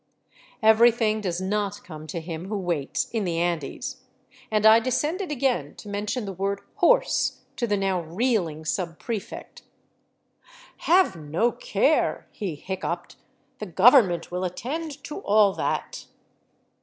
Everything does not come to him who waits in the Andes, and I descended again to mention the word '' horse " to the now reeling sub prefect. " Have no care," he hiccoughed, " the government will attend to all that."